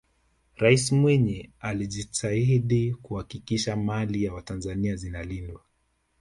raisi mwinyi alijitahidi kuhakikisha mali za watanzania zinalindwa